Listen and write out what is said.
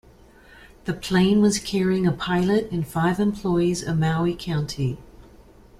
The plane was carrying a pilot and five employees of Maui County.